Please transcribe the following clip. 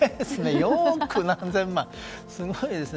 ４億何千万すごいですね。